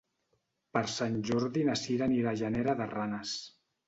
Per Sant Jordi na Cira anirà a Llanera de Ranes.